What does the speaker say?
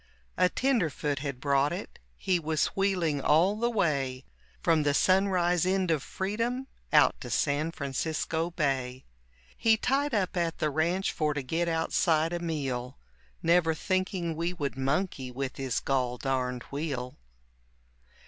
A tenderfoot had brought it, he was wheeling all the way From the sun rise end of freedom out to San Francisco Bay. He tied up at the ranch for to get outside a meal, Never thinking we would monkey with his gol darned wheel.